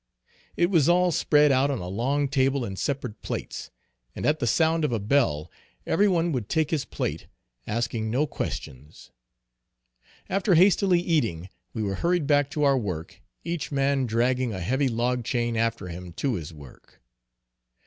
It was all spread out on a long table in separate plates; and at the sound of a bell, every one would take his plate, asking no questions. After hastily eating, we were hurried back to our work, each man dragging a heavy log chain after him to his work.